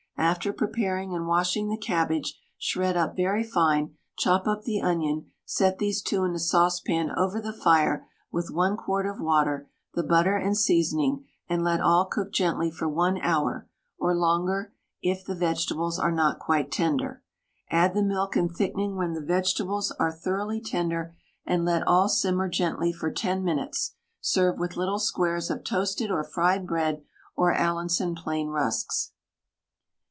After preparing and washing the cabbage, shred up very fine, chop up the onion, set these two in a saucepan over the fire with 1 quart of water, the butter and seasoning, and let all cook gently for 1 hour, or longer it the vegetables are not quite tender. Add the milk and thickening when the vegetables are thoroughly tender, and let all simmer gently for 10 minutes; serve with little squares of toasted or fried bread, or Allinson plain rusks.